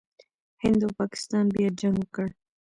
هند او پاکستان بیا جنګ وکړ.